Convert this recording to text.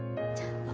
じゃあ。